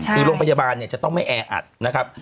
คือโรงพยาบาลเนี่ยจะต้องไม่แออัดนะครับ